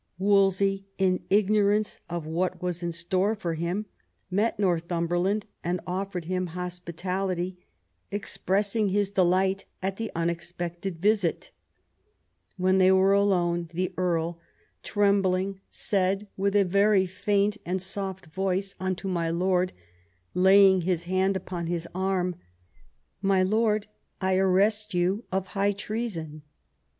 Wolsey, in ignorance of what was in store for him, met Northumberland and offered him hospitality, expressing 200 THOMAS WOLSEY chap. his delight at the unexpected visit When they were alone the Earl, " trembling, said, with a very faint and soft voice, unto my lord, laying his hand upon his arm, * My lord, I arrest you of high treason.'